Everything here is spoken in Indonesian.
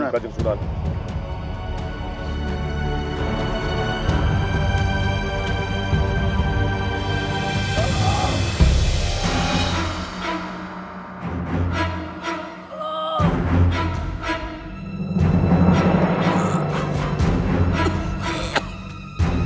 kami akan menerima hukuman